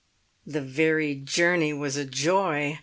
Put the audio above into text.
The very journey was a joy.